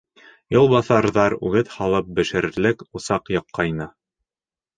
Юлбаҫарҙар үгеҙ һалып бешерерлек усаҡ яҡҡайны.